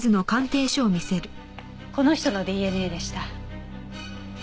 この人のＤＮＡでした。